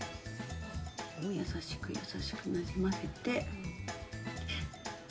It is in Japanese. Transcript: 優しく優しくなじませて。